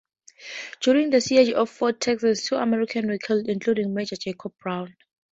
During the Siege of Fort Texas, two Americans were killed, including Major Jacob Brown.